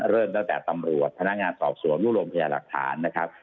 เริ่มตั้งแต่ตำรวจพนักงานสอบสวนรวบรวมพยาหลักฐานนะครับ